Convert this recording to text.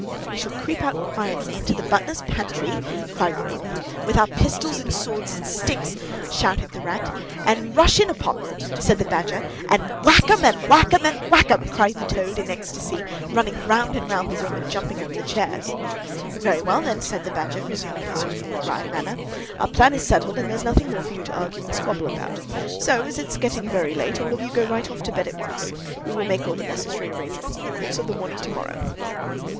"We shall creep out quietly into the butler's pantry—" cried the Mole. "—with our pistols and swords and sticks—" shouted the Rat. "—and rush in upon them," said the Badger. "—and whack 'em, and whack 'em, and whack 'em!" cried the Toad in ecstasy, running round and round the room, and jumping over the chairs. "Very well, then," said the Badger, resuming his usual dry manner, "our plan is settled, and there's nothing more for you to argue and squabble about. So, as it's getting very late, all of you go right off to bed at once. We will make all the necessary arrangements in the course of the morning to morrow."